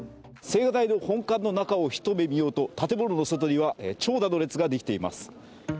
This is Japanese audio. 青瓦台の本館の中を一目見ようと建物の外には長蛇の列ができています。